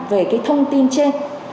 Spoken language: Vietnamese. về thông tin trên